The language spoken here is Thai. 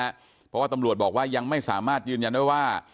เพราะว่าตำรวจบอกว่ายังไม่สามารถยืนยันได้ว่า